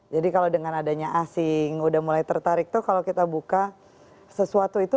jadi kalau dengan adanya asing udah mulai tertarik tuh kalau kita buka sesuatu itu